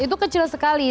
itu kecil sekali